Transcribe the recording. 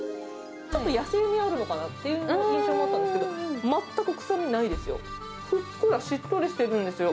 ちょっと野性味あるのかなという印象があったんですけど、全く臭みないですよ。